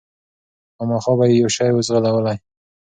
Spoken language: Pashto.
خامخا به یې یو شی وو ځغلولی